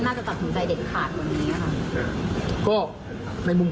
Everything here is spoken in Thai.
น่าจะตอบถึงใจเห็นขาดวันนี้กันครับ